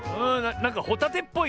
なんかホタテっぽいよね。